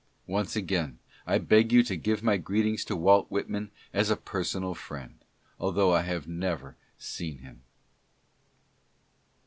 Once again I beg you to give my greetings to Walt Whitman as to a personal friend, although I have never seen him.